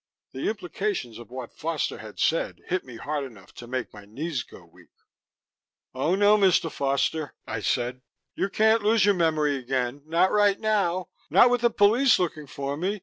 The implications of what Foster had said hit me hard enough to make my knees go weak. "Oh, no, Mr. Foster," I said. "You can't lose your memory again not right now, not with the police looking for me.